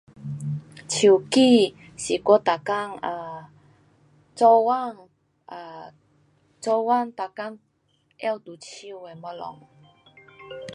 手机上我每天 um 做工 um 做工每天拿在手的东西。